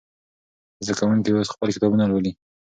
زده کوونکي اوس خپل کتابونه لولي.